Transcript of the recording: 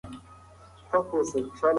هر ګام د بریا په لور واخلئ.